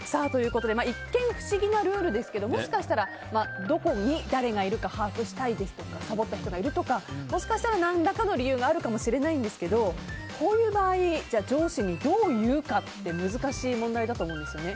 一見不思議なルールですがどこに、誰がいるか把握したいですとかサボった人がいるですとかもしかしたら何らかの理由があるかもしれませんがこういう場合上司にどう言うかって難しい問題だと思うんですね。